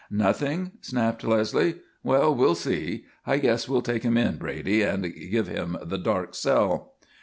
"Nothing?" snapped Leslie. "Well, we'll see. I guess we'll take him in, Brady, and give him the dark cell."